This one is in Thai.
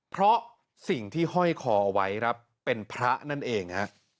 เพราะสิ่งที่ห้อยคอไว้เป็นพระนั่นเอง